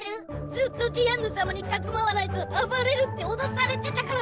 ずっとディアンヌ様にかくまわないと暴れるって脅されてたから。